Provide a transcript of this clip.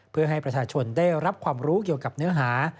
เพื่อให้ประชาชนได้รับความรู้เกี่ยวกับเนื้อหา